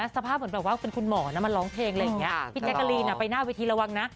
สภาพเหมือนเป็นคุณหมอมาร้องเพลงพี่แกะกะลีนไปหน้าวิธีระวังนะ